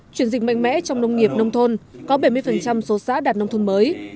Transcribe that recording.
chuyển dịch mạnh mẽ trong nông nghiệp nông thôn có bảy mươi số xã đạt nông thôn mới